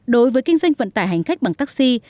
đối với kinh doanh vận tải hành khách bằng taxi